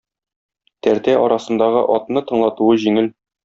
Тәртә арасындагы атны тыңлатуы җиңел.